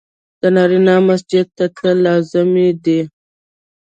د نارينه مسجد ته تلل لازمي دي.